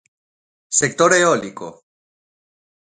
Sector eólico.